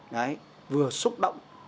đấy vừa xúc động